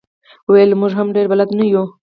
ویل یې موږ هم ډېر بلد نه یو.